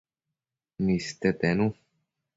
niste tenu